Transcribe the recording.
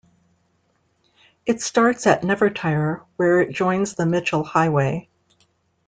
It starts at Nevertire where it joins the Mitchell Highway.